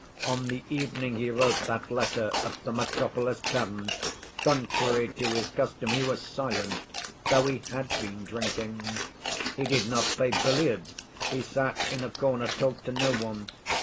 On the evening he wrote that letter at the 'Metropolis' tavern, contrary to his custom he was silent, though he had been drinking. He did not play billiards, he sat in a corner, talked to no one.